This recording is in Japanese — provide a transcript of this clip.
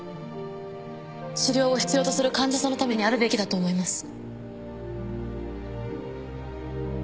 治療を必要とする患者さんのためにあるべきだと思います。